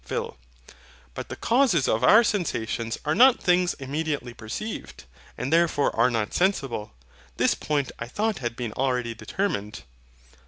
PHIL. But the causes of our sensations are not things immediately perceived, and therefore are not sensible. This point I thought had been already determined.